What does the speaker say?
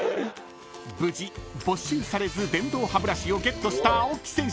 ［無事没収されず電動歯ブラシをゲットした青木選手。